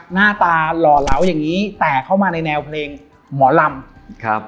หน้าตาหล่อเหลาอย่างงี้แต่เข้ามาในแนวเพลงหมอลำครับ